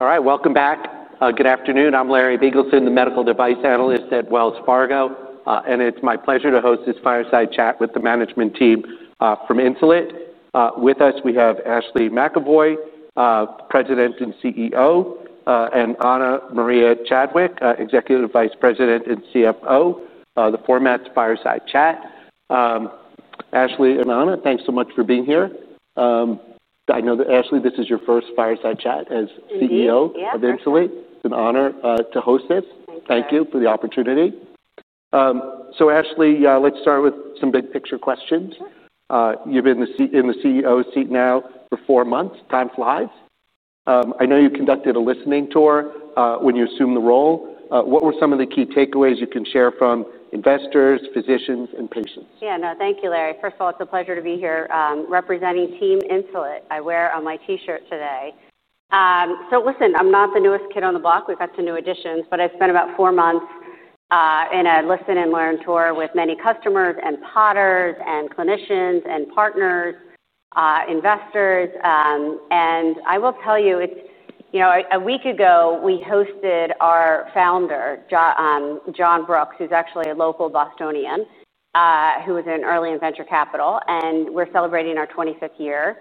All right, welcome back. Good afternoon. I'm Larry Bingleton, the Medical Device Analyst at Wells Fargo, and it's my pleasure to host this fireside chat with the management team from Insulet. With us, we have Ashley McEvoy, President and CEO, and Ana Maria Chadwick, Executive Vice President and CFO. The format's fireside chat. Ashley and Ana, thanks so much for being here. I know that, Ashley, this is your first fireside chat as CEO of Insulet. It's an honor to host this. Thank you for the opportunity. Ashley, let's start with some big picture questions. You've been in the CEO seat now for four months. Time flies. I know you conducted a listening tour when you assumed the role. What were some of the key takeaways you can share from investors, physicians, and patients? Yeah, thank you, Larry. First of all, it's a pleasure to be here representing Team Insulet. I wear my T-shirt today. Listen, I'm not the newest kid on the block. We've got some new additions, but I've spent about four months in a listen and learn tour with many customers and potters and clinicians and partners, investors. I will tell you, a week ago, we hosted our founder, John Brooks, who's actually a local Bostonian, who was in Early Inventor Capital, and we're celebrating our 25th year.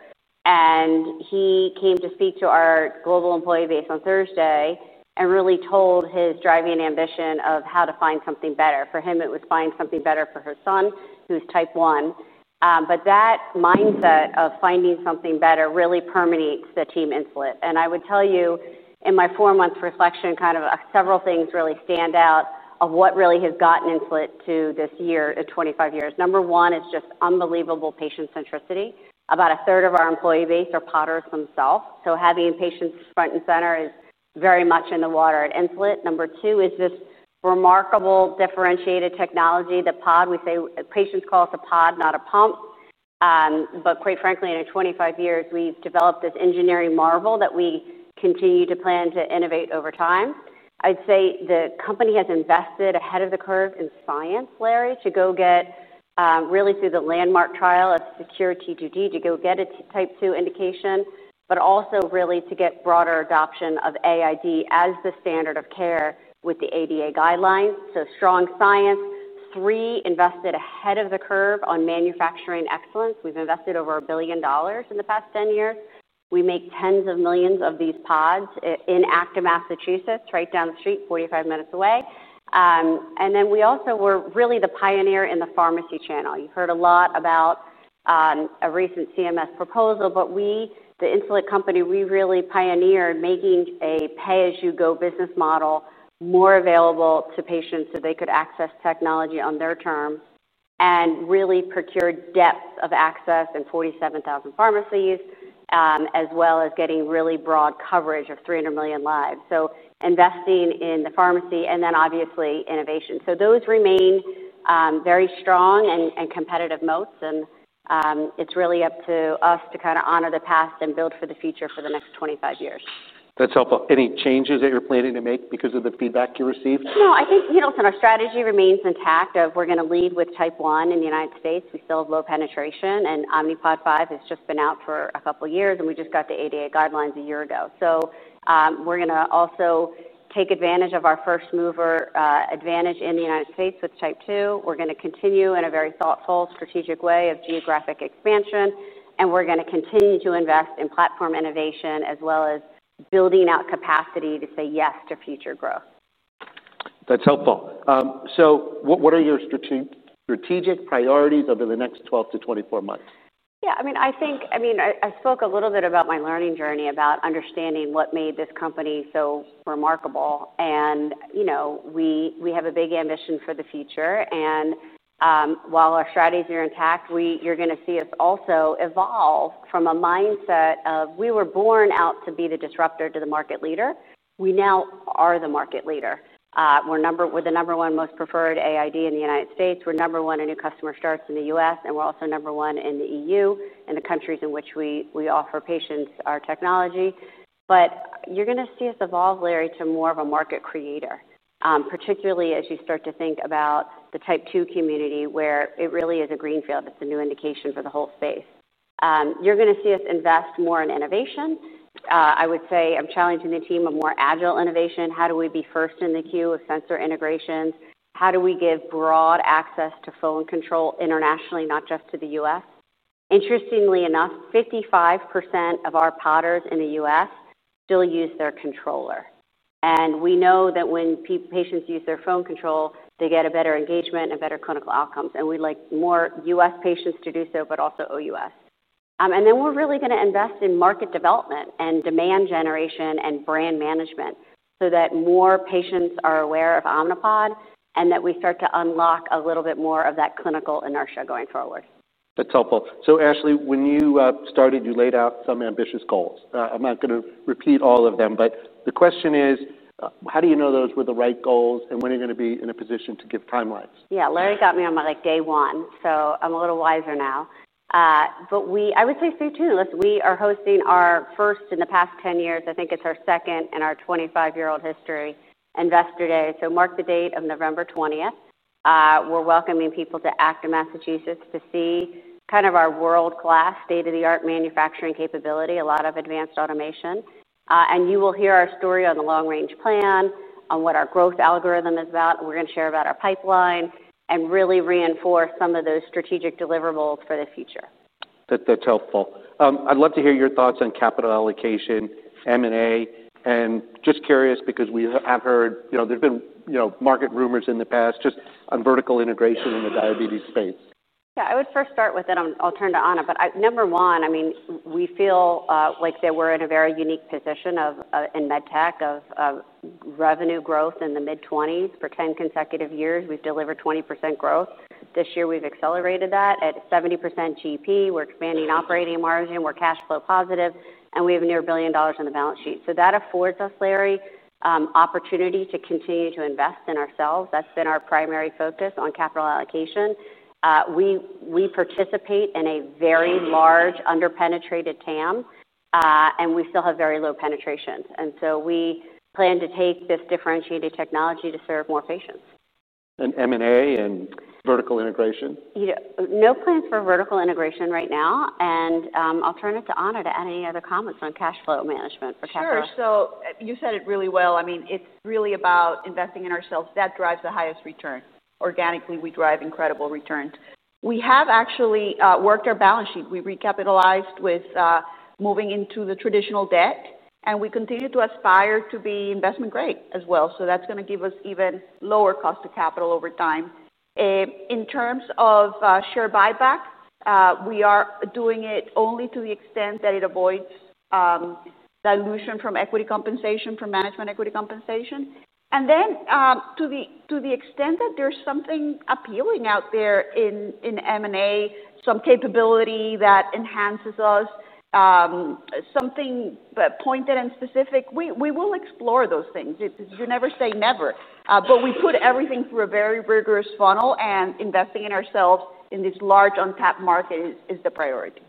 He came to speak to our global employee base on Thursday and really told his driving ambition of how to find something better. For him, it was find something better for his son, who's type one. That mindset of finding something better really permeates Team Insulet. I would tell you, in my four months' reflection, several things really stand out of what really has gotten Insulet to this year in 25 years. Number one is just unbelievable patient centricity. About a third of our employee base are potters themselves. Having patients front and center is very much in the water at Insulet. Number two is this remarkable differentiated technology, the pod. We say patients call us a pod, not a pump. Quite frankly, in 25 years, we've developed this engineering marvel that we continue to plan to innovate over time. I'd say the company has invested ahead of the curve in science, Larry, to go get really through the landmark trial of secure T2D to go get a type two indication, but also really to get broader adoption of AID as the standard of care with the ADA guidelines. Strong science. Three, invested ahead of the curve on manufacturing excellence. We've invested over $1 billion in the past 10 years. We make tens of millions of these pods in Acton, Massachusetts, right down the street, 45 minutes away. We also were really the pioneer in the pharmacy channel. You've heard a lot about a recent CMS proposal, but we, the Insulet company, really pioneered making a pay-as-you-go business model more available to patients so they could access technology on their term and really procured depths of access in 47,000 pharmacies, as well as getting really broad coverage of 300 million lives. Investing in the pharmacy and then obviously innovation. Those remain very strong and competitive moats, and it's really up to us to honor the past and build for the future for the next 25 years. That's helpful. Any changes that you're planning to make because of the feedback you received? No, I think our strategy remains intact of we're going to lead with type one in the U.S. We still have low penetration, and Omnipod 5 has just been out for a couple of years, and we just got the ADA guidelines a year ago. We're going to also take advantage of our first mover advantage in the U.S. with type two. We're going to continue in a very thoughtful, strategic way of geographic expansion, and we're going to continue to invest in platform innovation as well as building out capacity to say yes to future growth. That's helpful. What are your strategic priorities over the next 12months- 24 months? Yeah, I mean, I think I spoke a little bit about my learning journey, about understanding what made this company so remarkable. We have a big ambition for the future. While our strategies are intact, you're going to see us also evolve from a mindset of we were born out to be the disruptor to the market leader. We now are the market leader. We're the number one most preferred AID in the U.S. We're number one in new customer starts in the U.S., and we're also number one in the EU, in the countries in which we offer patients our technology. You're going to see us evolve, Larry, to more of a market creator, particularly as you start to think about the type two community where it really is a green field. It's a new indication for the whole space. You're going to see us invest more in innovation. I would say I'm challenging the team on more agile innovation. How do we be first in the queue of sensor integrations? How do we give broad access to phone control internationally, not just to the U.S.? Interestingly enough, 55% of our podders in the U.S. still use their controller. We know that when patients use their phone control, they get better engagement and better clinical outcomes. We'd like more U.S. patients to do so, but also Outside the U.S. (OUS). We're really going to invest in market development and demand generation and brand management so that more patients are aware of Omnipod and that we start to unlock a little bit more of that clinical inertia going forward. That's helpful. Ashley, when you started, you laid out some ambitious goals. I'm not going to repeat all of them, but the question is, how do you know those were the right goals and when are you going to be in a position to give timelines? Yeah, Larry got me on my, like, day one. I'm a little wiser now. We, I would say, stay tuned. Listen, we are hosting our first in the past 10 years. I think it's our second in our 25-year-old history Investor Day. Mark the date of November 20th. We're welcoming people to Acton, Massachusetts, to see our world-class, state-of-the-art manufacturing capability, a lot of advanced automation. You will hear our story on the long-range plan, on what our growth algorithm is about. We're going to share about our pipeline and really reinforce some of those strategic deliverables for the future. That's helpful. I'd love to hear your thoughts on capital allocation, M&A, and just curious because we have heard there's been market rumors in the past just on vertical integration in the diabetes space. I would first start with it. I'll turn to Ana, but number one, I mean, we feel like that we're in a very unique position in med tech of revenue growth in the mid-20s. For 10 consecutive years, we've delivered 20% growth. This year, we've accelerated that at 70% GP. We're expanding operating margin. We're cash flow positive, and we have a near $1 billion on the balance sheet. That affords us, Larry, opportunity to continue to invest in ourselves. That's been our primary focus on capital allocation. We participate in a very large underpenetrated TAM, and we still have very low penetrations. We plan to take this differentiated technology to serve more patients. M&A and vertical integration? You know, no plans for vertical integration right now. I'll turn it to Ana to add any other comments on cash flow management. Sure. You said it really well. It's really about investing in ourselves. That drives the highest return. Organically, we drive incredible returns. We have actually worked our balance sheet. We recapitalized with moving into the traditional debt, and we continue to aspire to be investment grade as well. That's going to give us even lower cost of capital over time. In terms of share buyback, we are doing it only to the extent that it avoids dilution from equity compensation, from management equity compensation. To the extent that there's something appealing out there in M&A, some capability that enhances us, something pointed and specific, we will explore those things. You never say never. We put everything through a very rigorous funnel, and investing in ourselves in this large untapped market is the priority.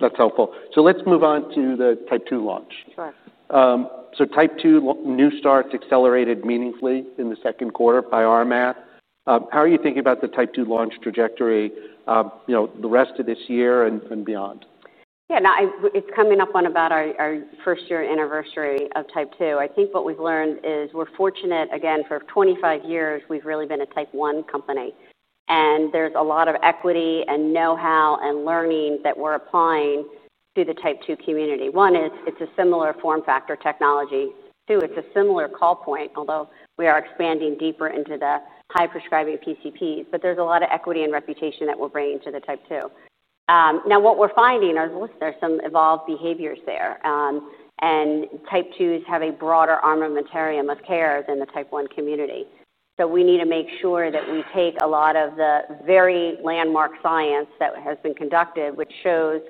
That's helpful. Let's move on to the type 2 launch. Sure. Type 2 new starts accelerated meaningfully in the second quarter by our math. How are you thinking about the type 2 launch trajectory, you know, the rest of this year and beyond? Yeah, now it's coming up on about our first year anniversary of type 2. I think what we've learned is we're fortunate, again, for 25 years, we've really been a type 1 company. There's a lot of equity and know-how and learning that we're applying to the type 2 community. One, it's a similar form factor technology. Two, it's a similar call point, although we are expanding deeper into the high prescribing PCP. There's a lot of equity and reputation that we're bringing to the type 2. Now, what we're finding is, listen, there's some evolved behaviors there. Type 2s have a broader armamentarium of care than the type 1 community. We need to make sure that we take a lot of the very landmark science that has been conducted, which shows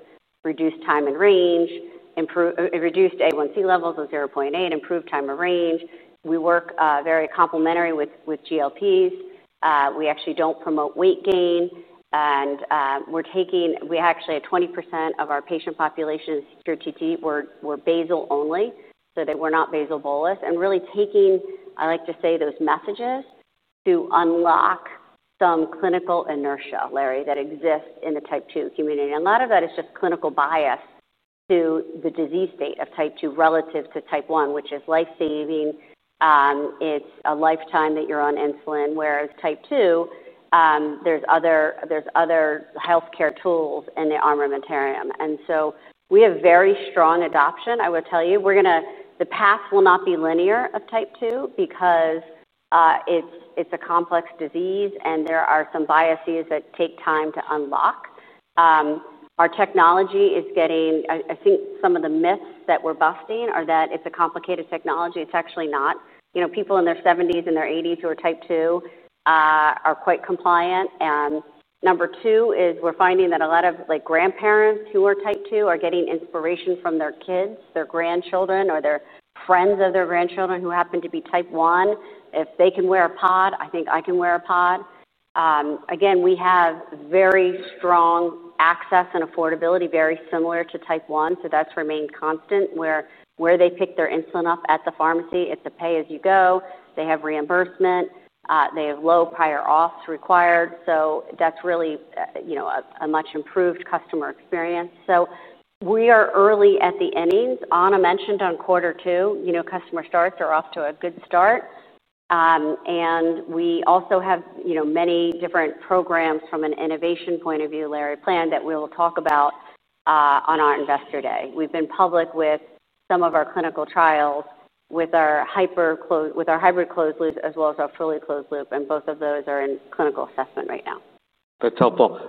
reduced time in range, reduced A1C levels of 0.8, improved time in range. We work very complementarily with GLPs. We actually don't promote weight gain. We're taking, we actually, at 20% of our patient population's QTT, we're basal only, so that we're not basal bolus. I like to say, those messages unlock some clinical inertia, Larry, that exists in the type two community. A lot of that is just clinical bias to the disease state of type 2 relative to type1, which is life-saving. It's a lifetime that you're on insulin, whereas type 2, there are other healthcare tools in the armamentarium. We have very strong adoption, I would tell you. The path will not be linear of type 2 because it's a complex disease, and there are some biases that take time to unlock. Our technology is getting, I think some of the myths that we're busting are that it's a complicated technology. It's actually not. People in their 70s and their 80s who are type 2 are quite compliant. Number two is we're finding that a lot of grandparents who are type 2 are getting inspiration from their kids, their grandchildren, or their friends of their grandchildren who happen to be type 1. If they can wear a pod, I think I can wear a pod. We have very strong access and affordability, very similar to type 1. That's remained constant, where they pick their insulin up at the pharmacy. It's a pay-as-you-go. They have reimbursement. They have low-payer offs required. That's really a much improved customer experience. We are early at the innings. Ana mentioned on Q2, customer starts are off to a good start. We also have many different programs from an innovation point of view, Larry, planned that we will talk about on our Investor Day. We've been public with some of our clinical trials with our hybrid closed loop as well as our fully closed loop, and both of those are in clinical assessment right now. That's helpful.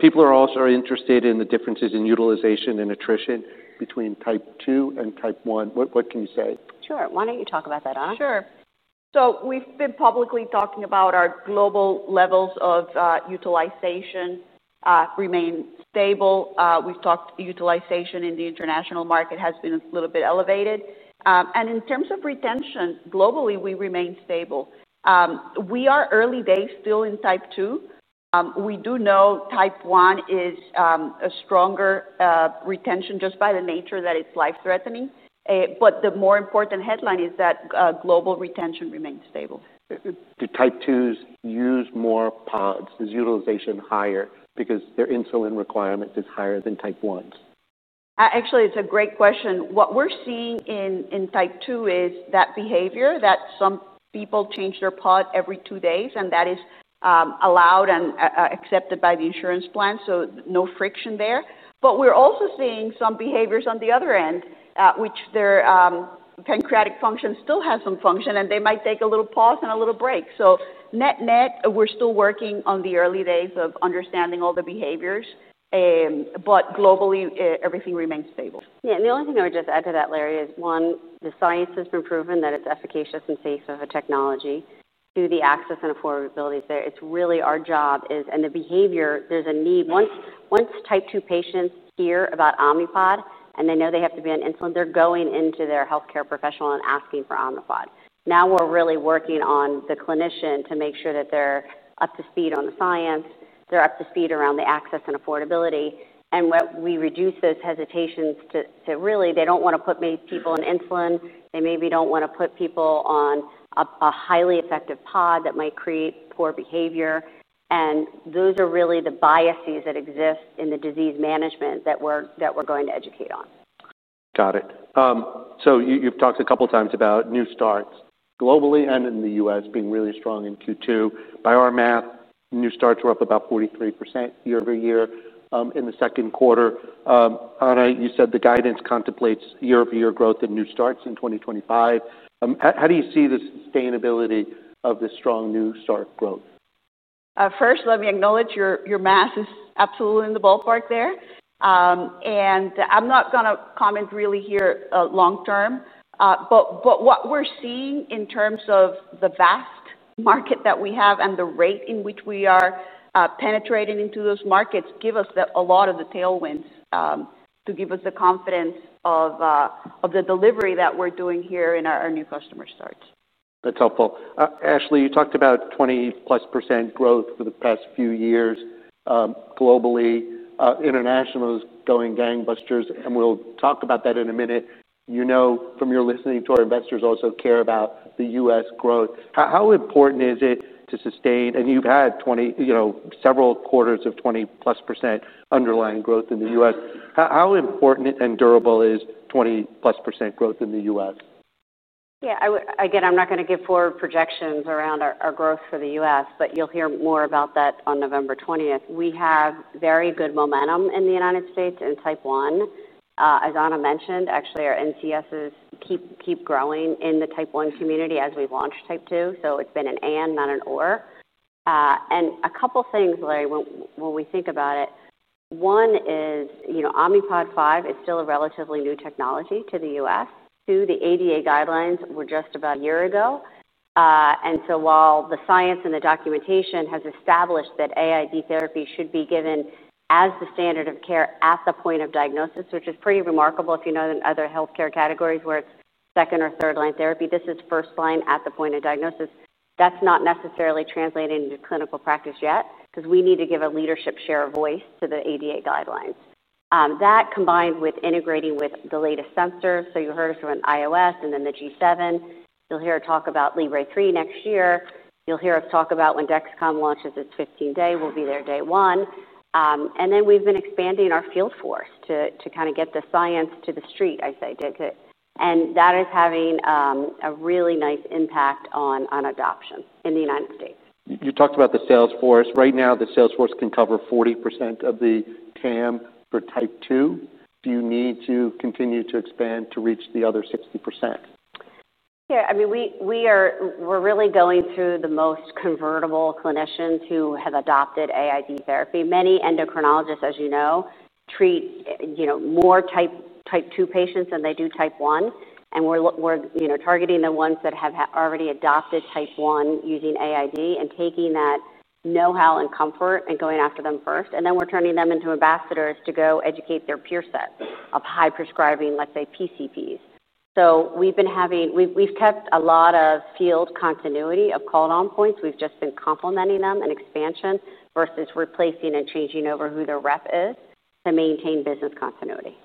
People are also interested in the differences in utilization and attrition between type 2 and type 1. What can you say? Sure. Why don't you talk about that, Ana? Sure. We've been publicly talking about our global levels of utilization remain stable. We've talked utilization in the international market has been a little bit elevated. In terms of retention globally, we remain stable. We are early days still in type 2. We do know type 1 is a stronger retention just by the nature that it's life-threatening. The more important headline is that global retention remains stable. Do type 2s use more pods? Is utilization higher because their insulin requirement is higher than type 1s? Actually, it's a great question. What we're seeing in type 2 is that behavior that some people change their pod every two days, and that is allowed and accepted by the insurance plan. There is no friction there. We're also seeing some behaviors on the other end, which their pancreatic function still has some function, and they might take a little pause and a little break. Net-net, we're still working on the early days of understanding all the behaviors. Globally, everything remains stable. Yeah, and the only thing I would just add to that, Larry, is one, the science has been proven that it's efficacious and safe of a technology. Two, the access and affordability is there. It's really our job is, and the behavior, there's a need. Once type 2 patients hear about Omnipod and they know they have to be on insulin, they're going into their healthcare professional and asking for Omnipod. Now we're really working on the clinician to make sure that they're up to speed on the science, they're up to speed around the access and affordability, and we reduce those hesitations to really, they don't want to put people on insulin. They maybe don't want to put people on a highly effective pod that might create poor behavior. Those are really the biases that exist in the disease management that we're going to educate on. Got it. You've talked a couple of times about new starts globally and in the U.S. being really strong in Q2. By our math, new starts were up about 43% year over year in the second quarter. Ana, you said the guidance contemplates year-over-year growth in new starts in 2025. How do you see the sustainability of this strong new start growth? First, let me acknowledge your math is absolutely in the ballpark there. I'm not going to comment really here long term. What we're seeing in terms of the vast market that we have and the rate in which we are penetrating into those markets gives us a lot of the tailwinds to give us the confidence of the delivery that we're doing here in our new customer starts. That's helpful. Ashley, you talked about 20+% growth for the past few years globally, internationally going gangbusters, and we'll talk about that in a minute. You know, from your listening tour, investors also care about the U.S. growth. How important is it to sustain, and you've had several quarters of 20+% underlying growth in the U.S. How important and durable is 20+% growth in the U.S.? Yeah, again, I'm not going to give forward projections around our growth for the U.S., but you'll hear more about that on November 20th. We have very good momentum in the United States in type 1. As Ana mentioned, actually, our NCSs keep growing in the type 1 community as we launch type 2. It's been an and, not an or. A couple of things, Larry, when we think about it. One is, you know, Omnipod 5 is still a relatively new technology to the U.S. Two, the ADA guidelines were just about a year ago. While the science and the documentation has established that AID therapy should be given as the standard of care at the point of diagnosis, which is pretty remarkable if you know other healthcare categories where it's second or third line therapy, this is first line at the point of diagnosis. That's not necessarily translated into clinical practice yet because we need to give a leadership share of voice to the ADA guidelines. That combined with integrating with the latest sensor. You heard us from an iOS and then the G7. You'll hear us talk about Libre 3 next year. You'll hear us talk about when Dexcom launches its 15-day. We'll be there day one. We've been expanding our field force to kind of get the science to the street, I say, David. That is having a really nice impact on adoption in the United States. You talked about the sales force. Right now, the sales force can cover 40% of the TAM for type 2. Do you need to continue to expand to reach the other 60%? Yeah, I mean, we are really going through the most convertible clinicians who have adopted AID therapy. Many endocrinologists, as you know, treat more type 2 patients than they do type 1. We're targeting the ones that have already adopted type 1 using AID and taking that know-how and comfort and going after them first. We're turning them into ambassadors to go educate their peer set of high prescribing, let's say, PCPs. We've been having, we've kept a lot of field continuity of call on points. We've just been complementing them in expansion versus replacing and changing over who their rep is to maintain business continuity.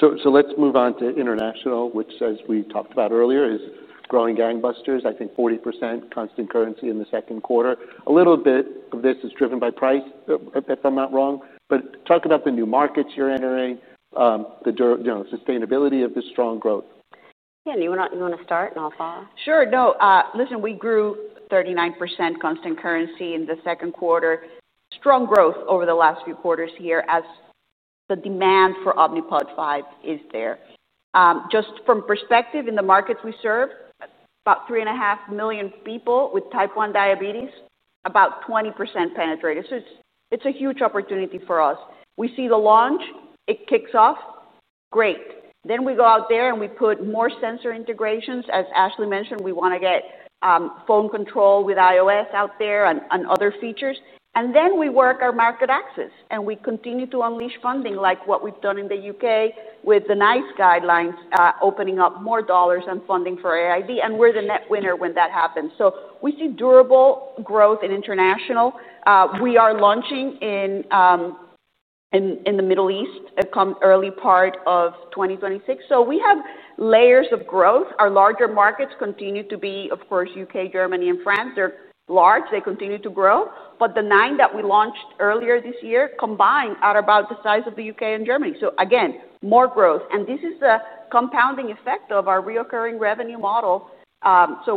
Let's move on to international, which, as we talked about earlier, is growing gangbusters. I think 40% constant currency in the second quarter. A little bit of this is driven by price, if I'm not wrong. Talk about the new markets you're entering, the sustainability of this strong growth. Yeah, you want to start and I'll follow? Sure, we grew 39% constant currency in the second quarter. Strong growth over the last few quarters here as the demand for Omnipod 5 is there. Just from perspective in the markets we serve, about 3.5 million people with type 1 diabetes, about 20% penetrated. It's a huge opportunity for us. We see the launch, it kicks off, great. We go out there and we put more sensor integrations. As Ashley mentioned, we want to get phone control with iOS out there and other features. We work our market access and we continue to unleash funding like what we've done in the UK with the NICE guidelines opening up more dollars and funding for AID. We're the net winner when that happens. We see durable growth in international. We are launching in the Middle East at the early part of 2026. We have layers of growth. Our larger markets continue to be, of course, UK, Germany, and France. They're large. They continue to grow. The nine that we launched earlier this year combined are about the size of the UK and Germany. Again, more growth. This is a compounding effect of our reoccurring revenue model.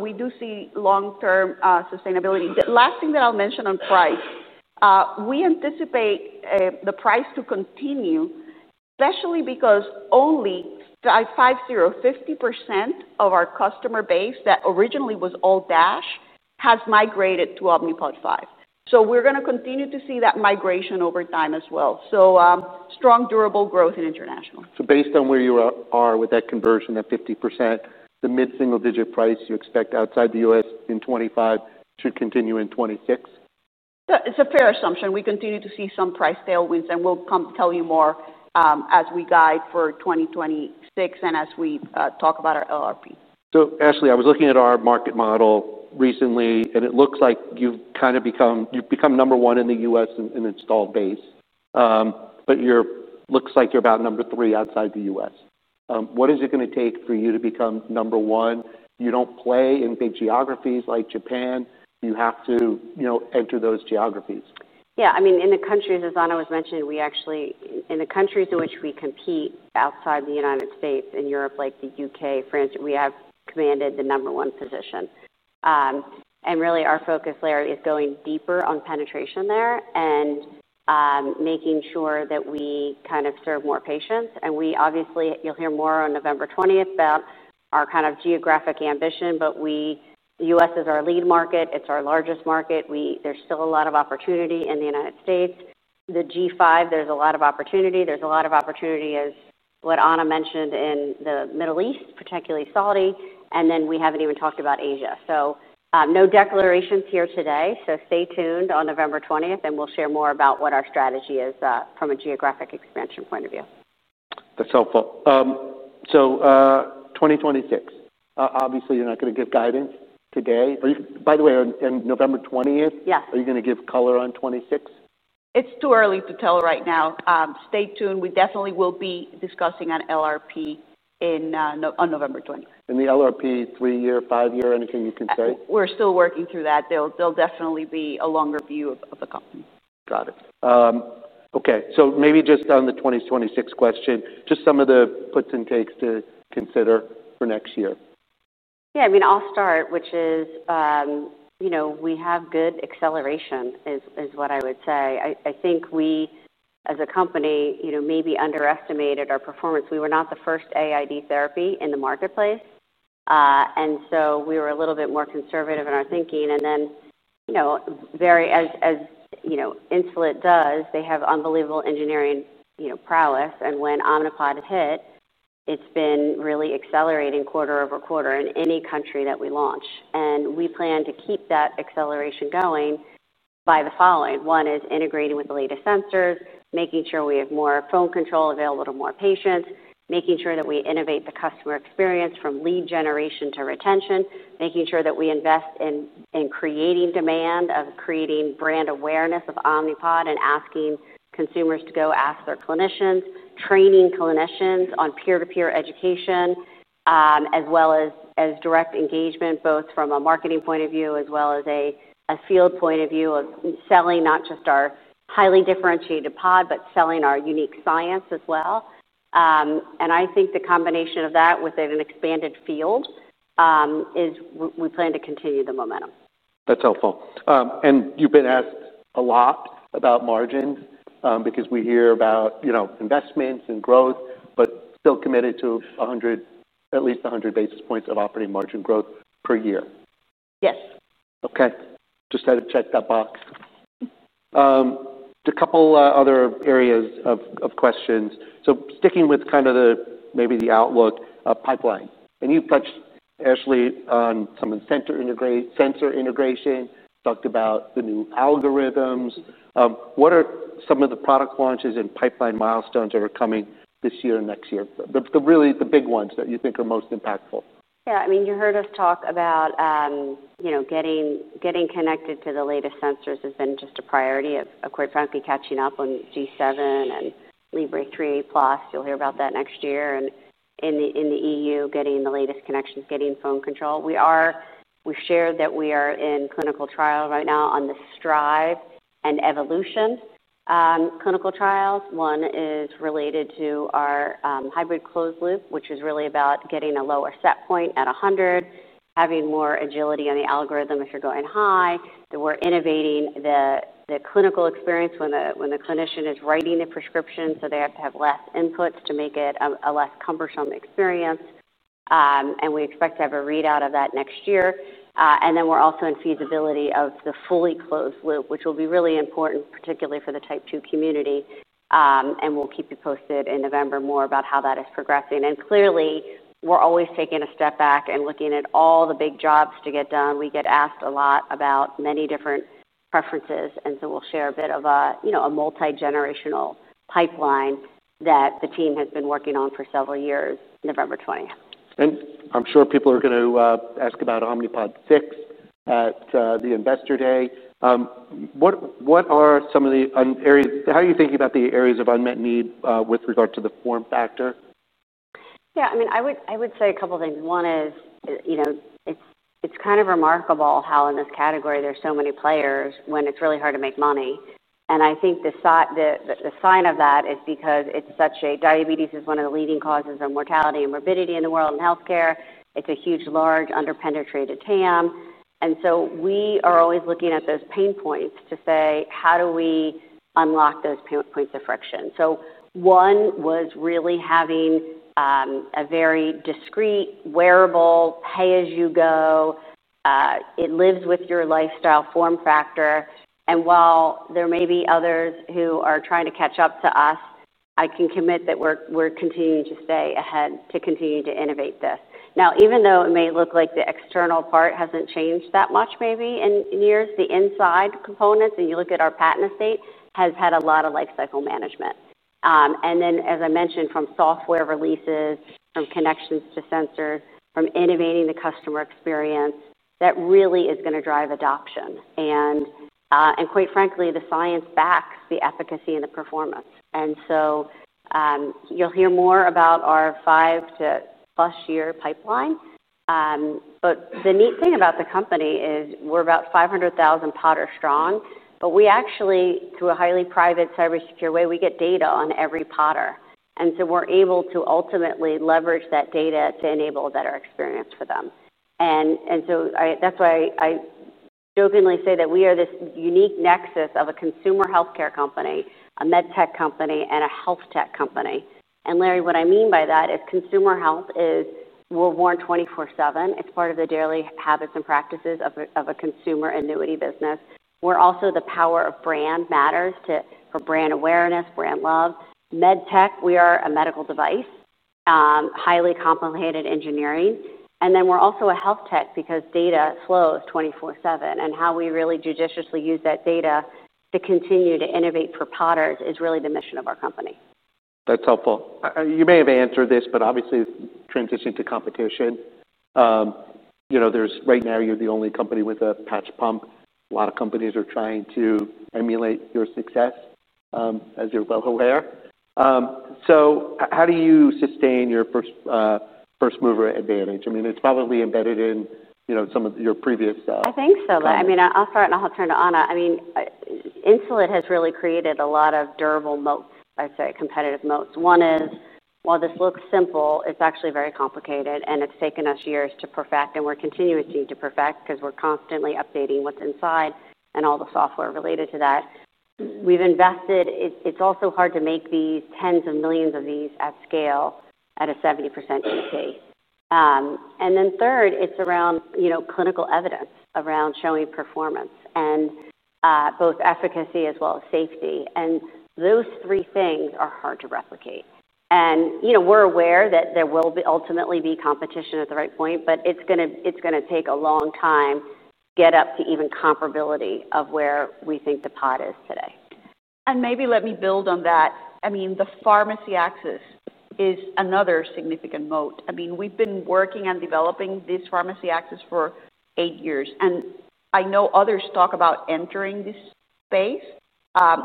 We do see long-term sustainability. The last thing that I'll mention on price, we anticipate the price to continue, especially because only 50% of our customer base that originally was all DASH has migrated to Omnipod 5. We're going to continue to see that migration over time as well. Strong durable growth in international. Based on where you are with that conversion, that 50%, the mid-single-digit price you expect outside the U.S. in 2025 should continue in 2026? It's a fair assumption. We continue to see some price tailwinds, and we'll tell you more as we guide for 2026 and as we talk about our LRP. Ashley, I was looking at our market model recently and it looks like you've kind of become, you've become number one in the U.S. in installed base. It looks like you're about number three outside the U.S. What is it going to take for you to become number one? You don't play in big geographies like Japan. You have to, you know, enter those geographies. Yeah, I mean, in the countries, as Ana was mentioning, we actually, in the countries in which we compete outside the U.S. and Europe, like the UK, France, we have commanded the number one position. Really, our focus, Larry, is going deeper on penetration there and making sure that we kind of serve more patients. Obviously, you'll hear more on November 20th about our kind of geographic ambition. The U.S. is our lead market. It's our largest market. There's still a lot of opportunity in the U.S. The G5, there's a lot of opportunity. There's a lot of opportunity, as what Ana mentioned, in the Middle East, particularly Saudi. We haven't even talked about Asia. No declarations here today. Stay tuned on November 20th and we'll share more about what our strategy is from a geographic expansion point of view. That's helpful. 2026, obviously, you're not going to give guidance today. By the way, on November 20th, are you going to give color on 2026? It's too early to tell right now. Stay tuned. We definitely will be discussing an LRP on November 20. The LRP, three-year, five-year, anything you can say? We're still working through that. There will definitely be a longer view of the company. Got it. Okay, maybe just on the 2026 question, just some of the puts and takes to consider for next year. Yeah, I mean, I'll start, which is, you know, we have good acceleration is what I would say. I think we, as a company, maybe underestimated our performance. We were not the first AID therapy in the marketplace, so we were a little bit more conservative in our thinking. As you know, Insulet does, they have unbelievable engineering prowess. When Omnipod hit, it's been really accelerating quarter over quarter in any country that we launch. We plan to keep that acceleration going by the following. One is integrating with the latest sensors, making sure we have more phone control available to more patients, making sure that we innovate the customer experience from lead generation to retention, making sure that we invest in creating demand, creating brand awareness of Omnipod and asking consumers to go ask their clinicians, training clinicians on peer-to-peer education, as well as direct engagement, both from a marketing point of view as well as a field point of view of selling not just our highly differentiated pod, but selling our unique science as well. I think the combination of that within an expanded field is we plan to continue the momentum. That's helpful. You've been asked a lot about margins because we hear about investments and growth, but still committed to at least 100 basis points of operating margin growth per year. Yes. Okay, just had to check that box. A couple other areas of questions. Sticking with kind of the maybe the outlook of pipeline. You've touched, Ashley, on some sensor integration, talked about the new algorithms. What are some of the product launches and pipeline milestones that are coming this year and next year? The really big ones that you think are most impactful. Yeah, I mean, you heard us talk about getting connected to the latest sensors has been just a priority. Of course, I'm going to be catching up on G7 and Libre 3 plus. You'll hear about that next year. In the EU, getting the latest connections, getting phone control. We've shared that we are in clinical trial right now on the Strive and Evolution clinical trials. One is related to our hybrid closed-loop, which is really about getting a lower set point at 100, having more agility on the algorithm if you're going high. We're innovating the clinical experience when the clinician is writing the prescription, so they have to have less inputs to make it a less cumbersome experience. We expect to have a readout of that next year. We're also in feasibility of the fully closed-loop, which will be really important, particularly for the type two community. We'll keep you posted in November more about how that is progressing. Clearly, we're always taking a step back and looking at all the big jobs to get done. We get asked a lot about many different preferences. We'll share a bit of a multi-generational pipeline that the team has been working on for several years, November 20th. I'm sure people are going to ask about Omnipod 6 at the Investor Day. What are some of the areas? How are you thinking about the areas of unmet need with regard to the form factor? Yeah, I mean, I would say a couple of things. One is, you know, it's kind of remarkable how in this category there's so many players when it's really hard to make money. I think the sign of that is because diabetes is one of the leading causes of mortality and morbidity in the world in healthcare. It's a huge, large underpenetrated total addressable market. We are always looking at those pain points to say, how do we unlock those pain points of friction? One was really having a very discreet, wearable, pay-as-you-go. It lives with your lifestyle form factor. While there may be others who are trying to catch up to us, I can commit that we're continuing to stay ahead to continue to innovate this. Now, even though it may look like the external part hasn't changed that much, maybe in years, the inside components, and you look at our patent estate, has had a lot of lifecycle management. As I mentioned, from software releases, from connections to sensors, from innovating the customer experience, that really is going to drive adoption. Quite frankly, the science backs the efficacy and the performance. You'll hear more about our five-plus-year pipeline. The neat thing about the company is we're about 500,000 podders strong. We actually, through a highly private cybersecure way, get data on every podder. We're able to ultimately leverage that data to enable a better experience for them. That's why I jokingly say that we are this unique nexus of a consumer healthcare company, a med tech company, and a health tech company. Larry, what I mean by that is consumer health will warrant 24/7. It's part of the daily habits and practices of a consumer annuity business. We're also the power of brand matters for brand awareness, brand love. Med tech, we are a medical device, highly complicated engineering. We're also a health tech because data flows 24/7. How we really judiciously use that data to continue to innovate for podders is really the mission of our company. That's helpful. You may have answered this, but obviously, it's transitioning to competition. Right now, you're the only company with a patch pump. A lot of companies are trying to emulate your success, as you're well aware. How do you sustain your first mover advantage? I mean, it's probably embedded in some of your previous stuff. I think so. I mean, I'll start and I'll turn to Ana. I mean, Insulet has really created a lot of durable moats, I'd say competitive moats. One is, while this looks simple, it's actually very complicated. It's taken us years to perfect, and we're continuously needing to perfect because we're constantly updating what's inside and all the software related to that. We've invested. It's also hard to make these tens of millions of these at scale at a 70% gross margin. Third, it's around, you know, clinical evidence around showing performance and both efficacy as well as safety. Those three things are hard to replicate. You know, we're aware that there will ultimately be competition at the right point. It's going to take a long time to get up to even comparability of where we think the pod is today. Maybe let me build on that. The pharmacy access is another significant moat. We've been working on developing this pharmacy access for eight years. I know others talk about entering this space,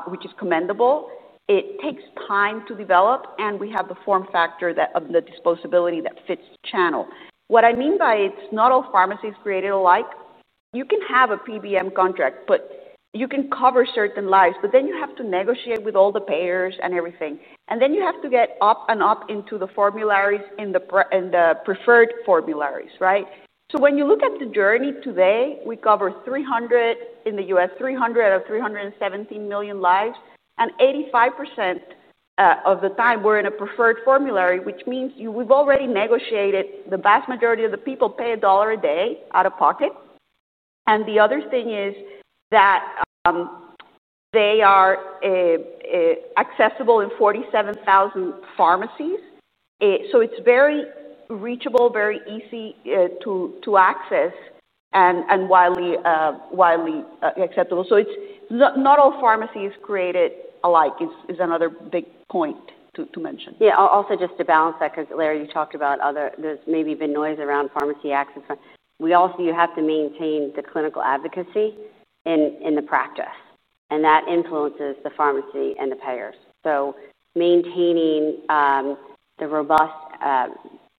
which is commendable. It takes time to develop. We have the form factor, the disposability that fits the channel. What I mean by it's not all pharmacies created alike. You can have a PBM contract, but you can cover certain lives. Then you have to negotiate with all the payers and everything. You have to get up and up into the formularies and the preferred formularies, right? When you look at the journey today, we cover 300 in the U.S., 300 million out of 317 million lives. 85% of the time, we're in a preferred formulary, which means we've already negotiated the vast majority of the people pay $1 a day out of pocket. The other thing is that they are accessible in 47,000 pharmacies. It's very reachable, very easy to access, and widely acceptable. It's not all pharmacies created alike, is another big point to mention. Yeah, also just to balance that, because Larry, you talked about other maybe the noise around pharmacy access. We also have to maintain the clinical advocacy in the practice. That influences the pharmacy and the payers. Maintaining the robust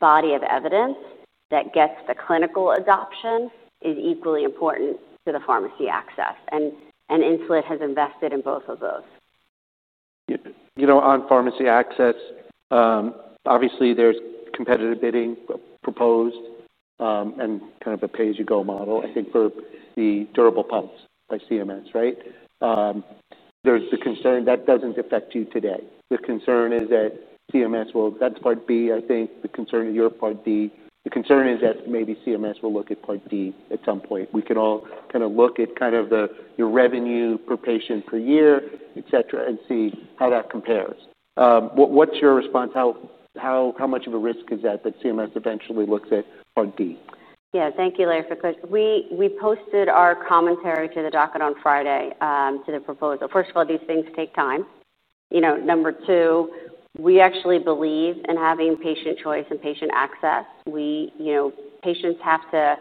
body of evidence that gets the clinical adoption is equally important to the pharmacy access. Insulet has invested in both of those. You know, on pharmacy channel access, obviously, there's competitive bidding proposed and kind of a pay-as-you-go model, I think, for the durable pumps like CMS, right? The concern that doesn't affect you today. The concern is that CMS will, that's Part B, I think, the concern of your Part D. The concern is that maybe CMS will look at Part D at some point. We could all kind of look at kind of your revenue per patient per year, et cetera, and see how that compares. What's your response? How much of a risk is that that CMS eventually looks at Part D? Thank you, Larry, for the question. We posted our commentary to the docket on Friday to the proposal. First of all, these things take time. Number two, we actually believe in having patient choice and patient access. Patients have to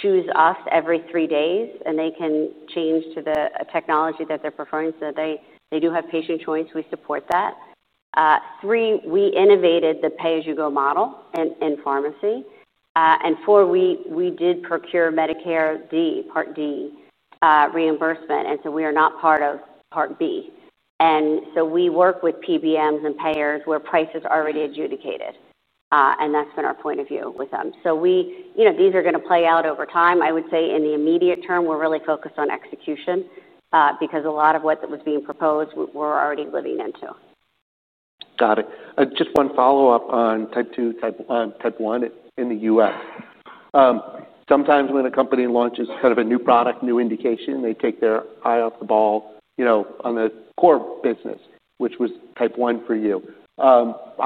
choose us every three days, and they can change to the technology that they're preferring. They do have patient choice. We support that. Three, we innovated the pay-as-you-go model in pharmacy. Four, we did procure Medicare Part D reimbursement. We are not part of Part B. We work with PBMs and payers where price is already adjudicated. That's been our point of view with them. These are going to play out over time. I would say in the immediate term, we're really focused on execution because a lot of what was being proposed, we're already living into. Got it. Just one follow-up on type 2, type 1 in the U.S. Sometimes when a company launches kind of a new product, new indication, they take their eye off the ball on the core business, which was type one for you. I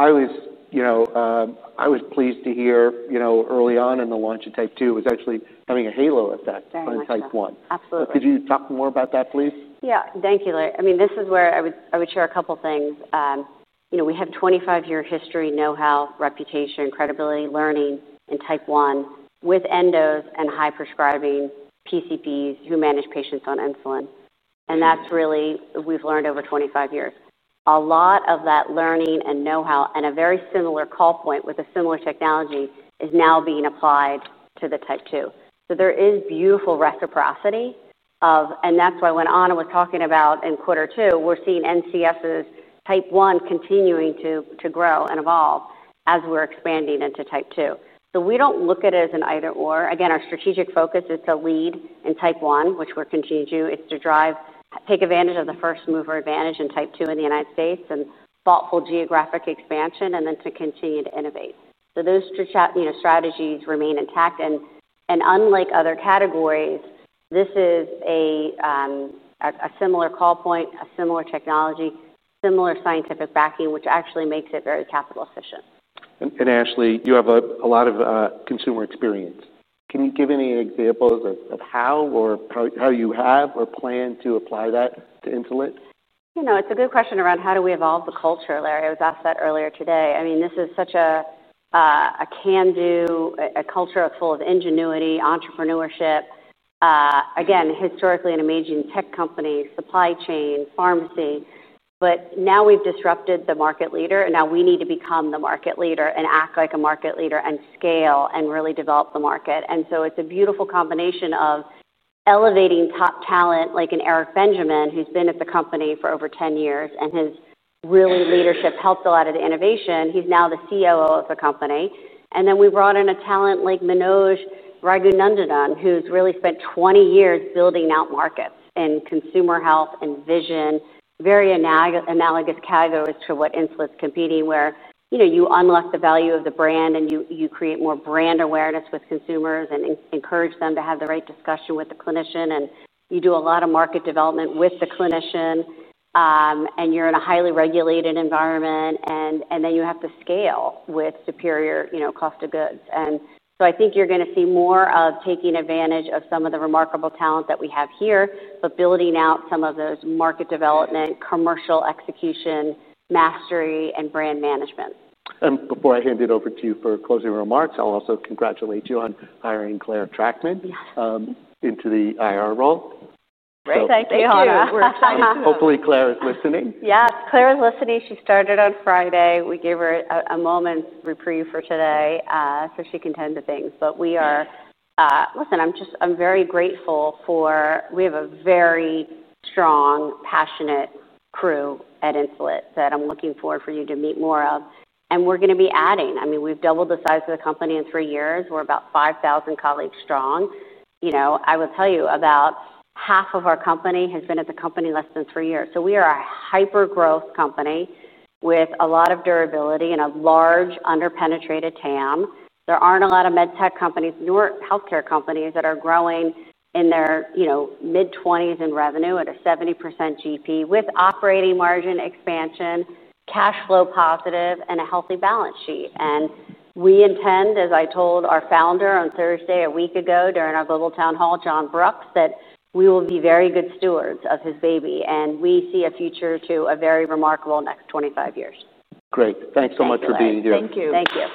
was pleased to hear early on in the launch of type 2, it was actually having a halo effect on type 2. Absolutely. Could you talk more about that, please? Yeah, thank you, Larry. I mean, this is where I would share a couple of things. We have a 25-year history of know-how, reputation, credibility, learning in type 1 with endos and high prescribing PCPs who manage patients on insulin. That's really what we've learned over 25 years. A lot of that learning and know-how and a very similar call point with a similar technology is now being applied to type 2. There is beautiful reciprocity, and that's why when Ana was talking about in Q2, we're seeing NCS's type one continuing to grow and evolve as we're expanding into type 2. We don't look at it as an either-or. Our strategic focus is to lead in type one, which we're continuing to do, to take advantage of the first mover advantage in type two in the U.S. and thoughtful geographic expansion, and to continue to innovate. Those strategies remain intact. Unlike other categories, this is a similar call point, a similar technology, similar scientific backing, which actually makes it very capital efficient. Ashley, you have a lot of consumer experience. Can you give any examples of how you have or plan to apply that to Insulet? You know, it's a good question around how do we evolve the culture, Larry. I was asked that earlier today. I mean, this is such a can-do, a culture full of ingenuity, entrepreneurship. Again, historically an amazing tech company, supply chain, pharmacy. Now we've disrupted the market leader. Now we need to become the market leader and act like a market leader and scale and really develop the market. It's a beautiful combination of elevating top talent like an Eric Benjamin, who's been at the company for over 10 years, and his leadership helped a lot of the innovation. He's now the CEO of the company. We brought in a talent like Manoj Ragunandan, who's really spent 20 years building out markets in consumer health and vision, very analogous categories to what Insulet's competing, where you unlock the value of the brand and you create more brand awareness with consumers and encourage them to have the right discussion with the clinician. You do a lot of market development with the clinician. You're in a highly regulated environment. You have to scale with superior, you know, cost of goods. I think you're going to see more of taking advantage of some of the remarkable talent that we have here, but building out some of those market development, commercial execution, mastery, and brand management. Before I hand it over to you for closing remarks, I'll also congratulate you on hiring Claire Trackman into the IR role. Right, I see you, Ana. Hopefully, Claire is listening. Yes, Claire is listening. She started on Friday. We gave her a moment's reprieve for today so she can tend to things. I am just, I am very grateful for, we have a very strong, passionate crew at Insulet that I am looking forward for you to meet more of. We are going to be adding, I mean, we have doubled the size of the company in three years. We are about 5,000 colleagues strong. I will tell you about half of our company has been at the company less than three years. We are a hyper-growth company with a lot of durability and a large underpenetrated total addressable market. There are not a lot of med tech companies, nor healthcare companies that are growing in their mid-20s in revenue at a 70% gross margin with operating margin expansion, cash flow positive, and a healthy balance sheet. I intend, as I told our founder on Thursday, a week ago during our global town hall, John Brooks, that we will be very good stewards of his baby. We see a future to a very remarkable next 25 years. Great. Thanks so much for being here. Thank you. Thank you.